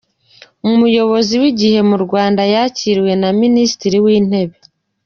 Umuyobozi wi gihe mu Rwanda yakiriwe na Minisitiri w’Intebe